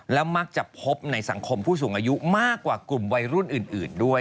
และมักจะพบในสังคมผู้สูงอายุมากกว่ากลุ่มวัยรุ่นอื่นด้วย